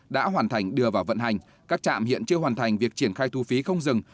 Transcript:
đã hoàn thành đưa vào vận hành các trạm hiện chưa hoàn thành việc triển khai thu phí không dừng